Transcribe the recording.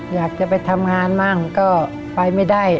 อยากจะไปทำงานบ้างก็ไปไม่ได้